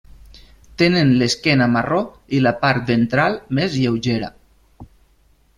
Tenen l'esquena marró i la part ventral més lleugera.